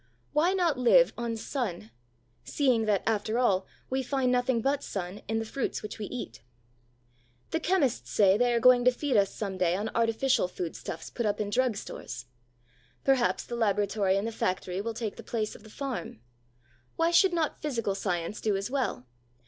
Why not live on sun, seeing that, after all, we find nothing but sun in the fruits which we eat? The chemists say they are going to feed us some day on artificial food stuffs put up in drug stores. Perhaps the laboratory and the factory will take the place of the farm. Why should not physical science do as well?